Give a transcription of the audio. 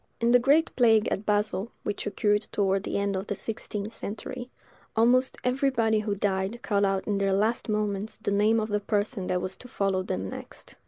In the great plague at Basle, which occurred toward the end of the sixteenth century, almost everybody who died called out in their last moments the name of the person that was to follow them next.